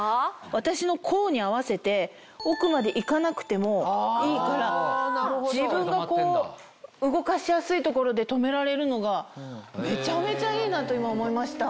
・私の甲に合わせて奥までいかなくてもいいから自分がこう動かしやすい所で留められるのがめちゃめちゃいいなと今思いました。